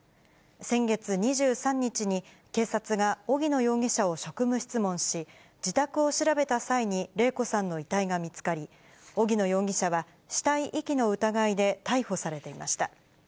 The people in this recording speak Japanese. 先月２３日に、警察が荻野容疑者を職務質問し、自宅を調べた際に礼子さんの遺体が見つかり、荻野容疑者は、死体遺棄の疑いで逮捕されていました。